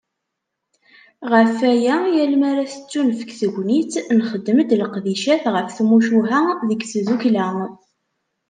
Ɣef waya, yal mi ara tettunefk tegnit, nxeddem-d leqdicat ɣef tmucuha deg tdukkla”.